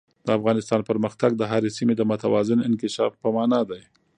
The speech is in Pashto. د افغانستان پرمختګ د هرې سیمې د متوازن انکشاف په مانا دی.